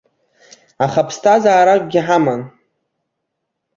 Аха ԥсҭазааракгьы ҳаман.